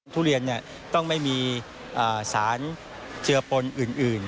ทุเรียนต้องไม่มีสารเจือปนอื่น